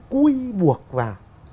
cuối buộc vào